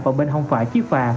vào bên hông phải chiếc phà